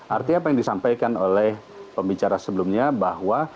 artinya apa yang disampaikan oleh pembicara sebelumnya bahwa